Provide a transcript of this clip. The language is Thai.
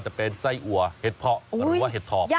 มีกลิ่นหอมกว่า